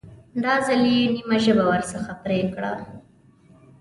دا ځل یې نیمه ژبه ورڅخه پرې کړه.